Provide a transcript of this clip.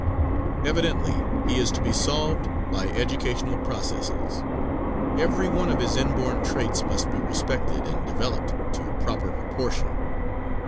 Evidently, he is to be "solved" by educational processes. Everyone of his inborn traits must be respected and developed to proper proportion.